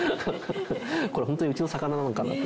これ本当にうちの魚なのかな。